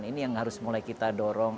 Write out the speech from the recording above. ini yang harus mulai kita dorong